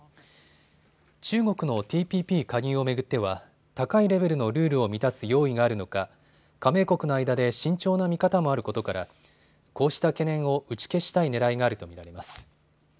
中国のＴＰＰ加入を巡っては高いレベルのルールを満たす用意があるのか加盟国の間で慎重な見方もあることからこうした懸念を打ち消したいねらいがあると見られます。